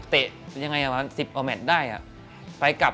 เตะยังไงประมาณสิบ